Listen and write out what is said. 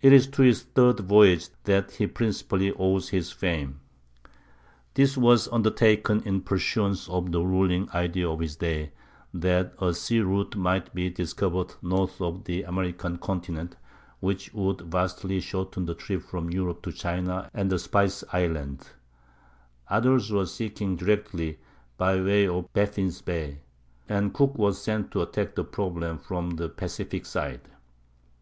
It is to his third voyage, then, that he principally owes his fame. This was undertaken in pursuance of the ruling idea of his day, that a sea route might be discovered north of the American continent, which would vastly shorten the trip from Europe to China and the Spice Islands. Others were seeking it directly by way of Baffin's Bay, and Cook was sent to attack the problem from the Pacific side.